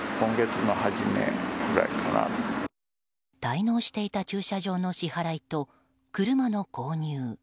滞納していた駐車代の支払いと車の購入。